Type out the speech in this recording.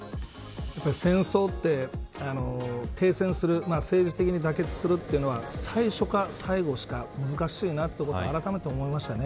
戦争って、停戦する政治的に妥結するというのは最初か最後しか難しいなとあらためて思いました。